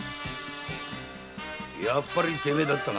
やっぱりテメェだったな。